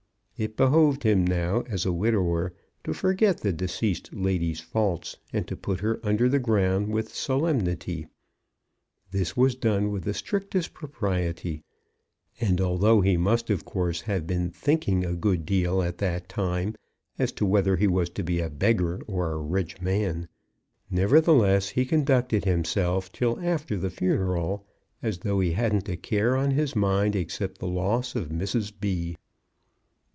It behoved him now as a widower to forget the deceased lady's faults, and to put her under the ground with solemnity. This was done with the strictest propriety; and although he must, of course, have been thinking a good deal at that time as to whether he was to be a beggar or a rich man, nevertheless he conducted himself till after the funeral as though he hadn't a care on his mind, except the loss of Mrs. B.